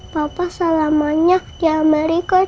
papa selamanya di amerika